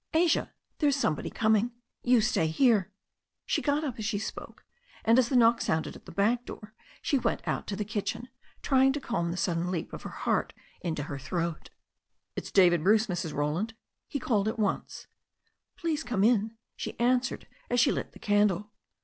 *'Asia, there's somebody coming. You stay here." She got up as she spoke, and as the knock sounded on the back door she went out to the kitchen, trying to calm the sudden leap of her heart into her throat. "It's David Bruce, Mrs. Roland," he called at once. "Please come in," she answered as she lit the candle.